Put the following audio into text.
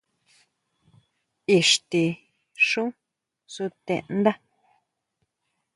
¿Ixtí xú sutendá?